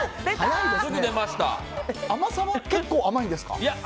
甘さは結構、甘いんですか？